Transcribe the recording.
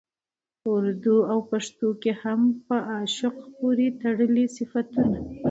په اردو او پښتو کې هم په عاشق پورې تړلي صفتونه